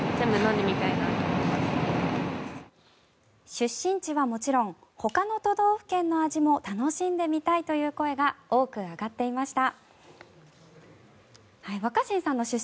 出身地はもちろんほかの都道府県の味も楽しんでみたいという声が多く上がっていました。